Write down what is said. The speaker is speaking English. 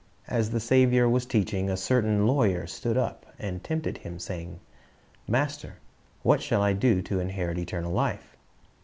As the Saviour was teaching, "a certain lawyer stood up, and tempted Him, saying, Master, what shall I do to inherit eternal life?"